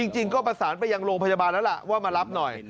จริงก็ประสานไปยังโรงพยาบาลแล้วล่ะว่ามารับหน่อย